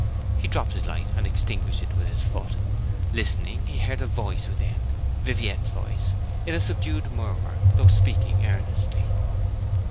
He dropped his light and extinguished it with his foot. Listening, he heard a voice within, Viviette's voice, in a subdued murmur, though speaking earnestly.